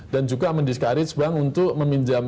dan juga mendiskarits bank untuk meminjam